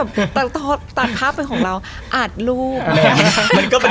สี่หรอกกระด่าสแกนเครื่องสแกน